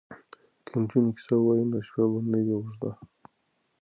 که نجونې کیسه ووايي نو شپه به نه وي اوږده.